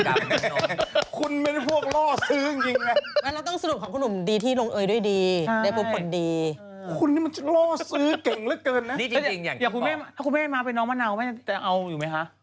ถ้าคุณไม่ให้มาเป็นน้องมะนาวจะเอาอยู่ไหมคะ